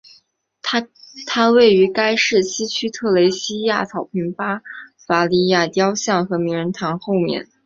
它位于该市西区特蕾西娅草坪巴伐利亚雕像和名人堂后面。